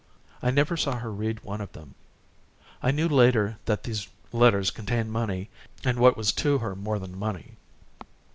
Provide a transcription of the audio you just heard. I never saw her read one of these letters. I knew later that they contained money and what was to her more than money.